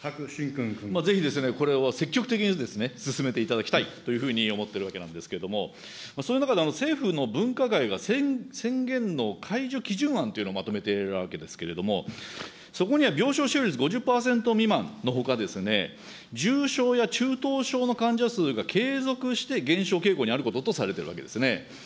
ぜひ、これを積極的に進めていただきたいというふうに思っているわけなんですけれども、その中で、政府の分科会が宣言の解除基準案というのをまとめているわけですけれども、そこには病床使用率５０％未満のほか、重症や中等症の患者数が継続して減少傾向にあることとされているわけですね。